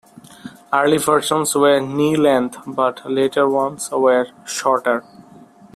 Early versions were knee-length but later ones were shorter.